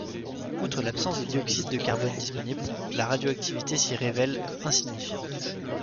Outre l’absence de dioxyde de carbone disponible, la radioactivité s’y révèle insignifiante.